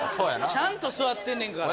ちゃんと座ってんねんから。